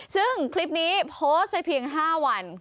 ซึ่งคลิปนี้โพสต์ไปเพียง๕วัน